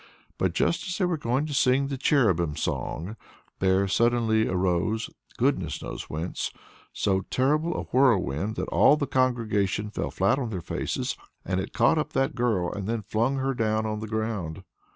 But just as they were going to sing the cherubim song, there suddenly arose, goodness knows whence, so terrible a whirlwind that all the congregation fell flat on their faces. And it caught up that girl, and then flung her down on the ground.